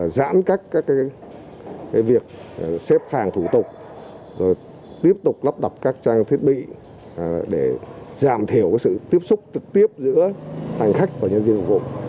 giãn cách các việc xếp hàng thủ tục tiếp tục lắp đặt các trang thiết bị để giảm thiểu sự tiếp xúc trực tiếp giữa hành khách và nhân viên phục vụ